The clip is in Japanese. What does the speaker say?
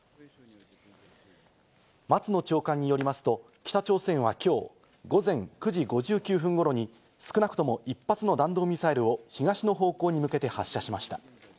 松野長官によりますと、北朝鮮はきょう午前９時５９分ごろに少なくとも１発の弾道ミサイルを東の方向に向けて発射しました。